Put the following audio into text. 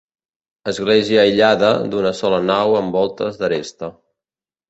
Església aïllada, d'una sola nau amb voltes d'aresta.